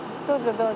「どうぞ！